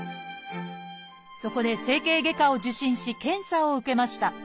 そこで整形外科を受診し検査を受けました。